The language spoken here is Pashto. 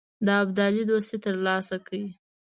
د ابدالي دوستي تر لاسه کړي.